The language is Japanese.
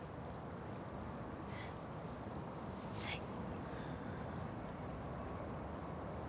はい。